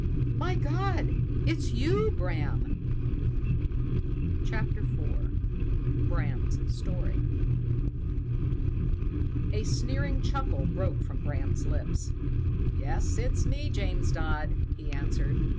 My God, it's you, Bram!" CHAPTER IV Bram's Story A sneering chuckle broke from Bram's lips. "Yes, it's me, James Dodd," he answered.